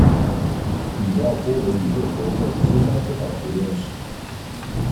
李奥波德与勒伯在芝加哥大学认识。